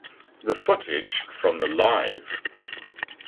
The footage from the Live!